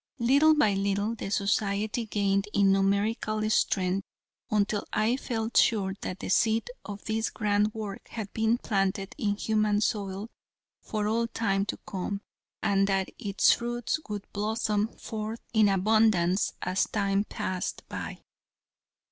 Little by little the society gained in numerical strength, until I felt sure that the seed of this grand work had been planted in human soil for all time to come, and that its fruits would blossom forth in abundance as time passed by.